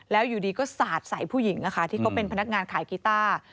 แล้วอยู่ดีก็สาดใส่ผู้หญิงนะคะที่เขาเป็นพนักงานขายกีต้า